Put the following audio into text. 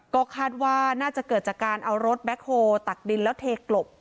ก็คาดว่าน่าจะเกิดจากการเอารถแบ็คโฮลตักดินแล้วเทกลบ